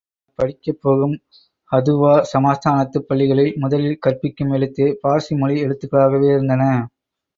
ஆனால், படிக்கப் போகும் ஹதுவா சமஸ்தானத்துப் பள்ளிகளில் முதலில் கற்பிக்கும் எழுத்தே பார்சி மொழி எழுத்துக்களாகவே இருந்தன.